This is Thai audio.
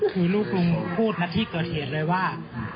คือลูกลุงพูดมาที่เกิดเหตุเลยว่า